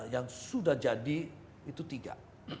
yang sudah jadi itu tiga